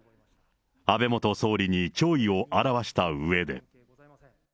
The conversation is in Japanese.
安倍元総理に弔意を表したうえで。